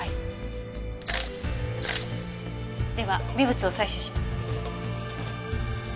では微物を採取します。